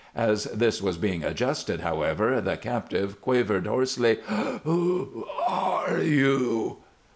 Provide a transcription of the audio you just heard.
As this was being adjusted, however, the captive quavered, hoarsely: "Who are you?"